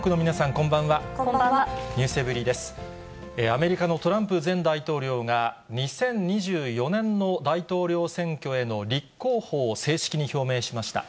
アメリカのトランプ前大統領が、２０２４年の大統領選挙への立候補を正式に表明しました。